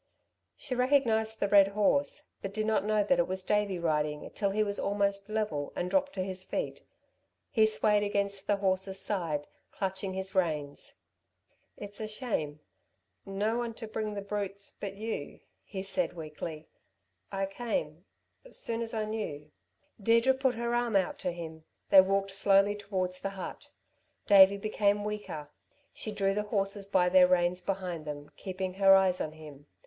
She recognised the red horse, but did not know that it was Davey riding till he was almost level, and dropped to his feet. He swayed against the horse's side, clutching his reins. "It's a shame ... no one to bring the brutes but you," he said weakly. "I came soon as I knew." Deirdre put her arm out to him. They walked slowly towards the hut. Davey became weaker. She drew the horses by their reins behind them, keeping her eyes on him.